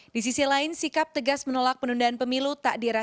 di sisi lain sikap tegas menolak penundaan pemilu tak diperlukan